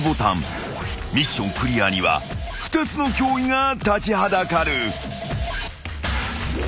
［ミッションクリアには２つの脅威が立ちはだかる］